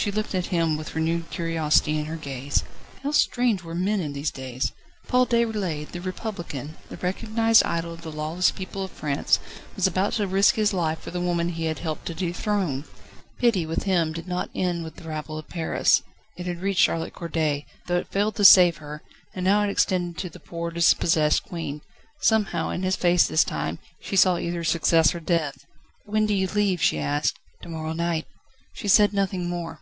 She looked at him with renewed curiosity in her gaze. How strange were men in these days! Paul Déroulède, the republican, the recognised idol of the lawless people of France, was about to risk his life for the woman he had helped to dethrone. Pity with him did not end with the rabble of Paris; it had reached Charlotte Corday, though it failed to save her, and now it extended to the poor dispossessed Queen. Somehow, in his face this time, she saw either success or death. "When do you leave?" she asked. "To morrow night." She said nothing more.